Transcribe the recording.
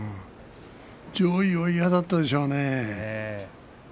上位は嫌だったでしょうね。